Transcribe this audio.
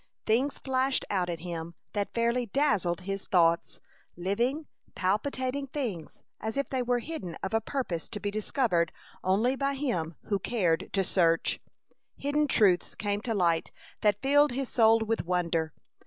Things flashed out at him that fairly dazzled his thoughts; living, palpitating things, as if they were hidden of a purpose to be discovered only by him who cared to search. Hidden truths came to light that filled his soul with wonder.